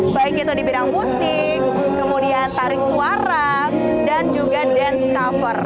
baik itu di bidang musik kemudian tarik suara dan juga dance cover